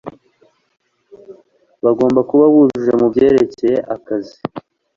bagomba kuba bujuje mu byerekeye akazi